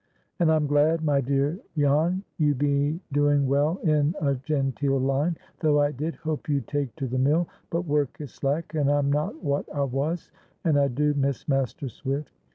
And I'm glad, my dear Jan, you be doing well in a genteel line, though I did hope you'd take to the mill; but work is slack, and I'm not wot I wos, and I do miss Master Swift.